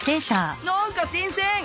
何か新鮮！